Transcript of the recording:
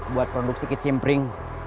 buat produksi kecimpring